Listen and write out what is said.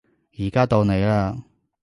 而家到你嘞